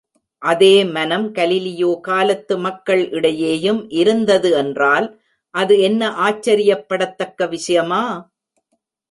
அதே மனம் கலீலியோ காலத்து மக்கள் இடையேயும் இருந்தது என்றால் அது என்ன ஆச்சரியப்படத்தக்க விஷயமா!